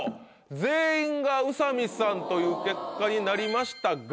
全員が宇佐美さんという結果になりましたが。